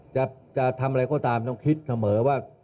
จะทำอะไรก็ตามต้องคิดเสมอว่า